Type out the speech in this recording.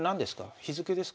日付ですか？